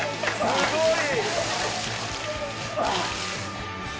「すごい！」